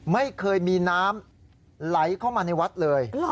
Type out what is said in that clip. ไม่เคยมีน้ำไหลเข้ามาในวัดเลย